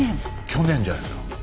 去年じゃないですか。